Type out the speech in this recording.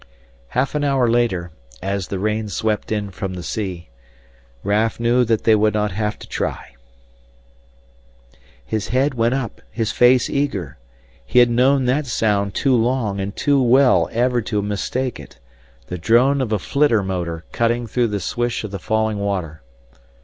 Half an hour later, as the rain swept in from the sea, Raf knew that they would not have to try. His head went up, his face eager. He had known that sound too long and too well ever to mistake it the drone of a flitter motor cutting through the swish of the falling water.